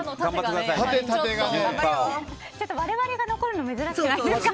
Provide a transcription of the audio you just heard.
我々が残るの珍しくないですか？